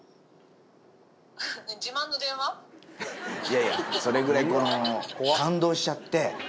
いやいやそれぐらいこの感動しちゃって。